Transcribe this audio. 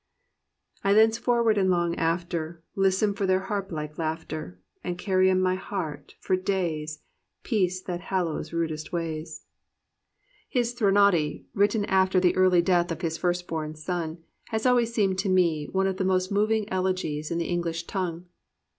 I thenceforward and long after. Listen for their harp like laughter. And carry in my heart, for days. Peace that hallows rudest ways." 347 COMPANIONABLE BOOKS His Threnody, written after the early death of his first born son, has always seemed to me one of the most moving elegies in the English tongue.